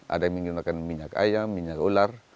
ada yang menggunakan minyak ayam minyak ular